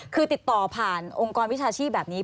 คือติดต่อผ่านองค์กรวิชาชีพแบบนี้